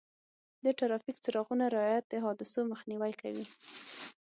د ټرافیک څراغونو رعایت د حادثو مخنیوی کوي.